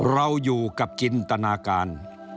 เราอยู่กับจินตนาการ